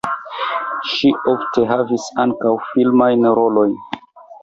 Ŝi ofte havis ankaŭ filmajn rolojn.